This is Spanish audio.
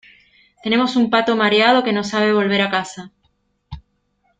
tenemos un pato mareado que no sabe volver a casa